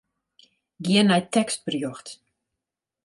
Gean nei tekstberjocht.